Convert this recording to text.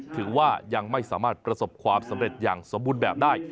ถือว่ายังไม่สามารถประสบความสำเร็จอย่างสมบูรณ์แบบได้